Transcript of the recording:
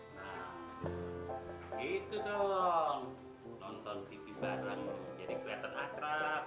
nah itu dong nonton tv bareng jadi keliatan akrab